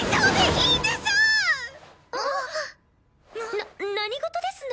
な何事ですの？